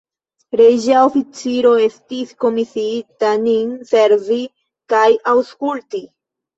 Reĝa oficiro estis komisiita nin servi kaj aŭskulti.